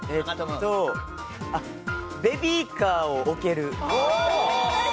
ベビーカーを置ける。